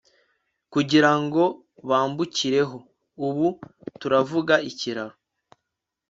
kugira ngo bambukireho. ubu turavuga ikiraro